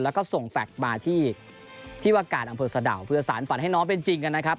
แล้วก็ส่งแฟลต์มาที่ที่ว่าการอำเภอสะดาวเพื่อสารฝันให้น้องเป็นจริงกันนะครับ